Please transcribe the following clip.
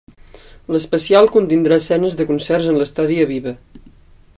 L'especial contindrà escenes de concerts en l'Estadi Aviva.